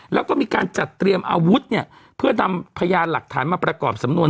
แล้วก็มีการจัดเตรียมอาวุธเนี่ยเพื่อนำพยานหลักฐานมาประกอบสำนวน